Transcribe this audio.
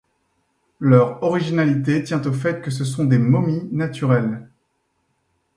Leur originalité tient au fait que ce sont des momies naturelles.